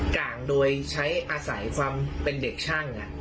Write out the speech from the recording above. กลางโดยใช้อาศัยความเป็นเด็กช่าง